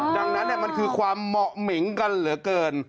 ดังนั้นมันคือความเหมาะเหม็งกันเหลือเกิน